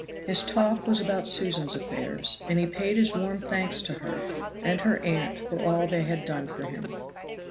His talk was about Susan's affairs, and he paid his warm thanks to her and her aunt for all they had done for him.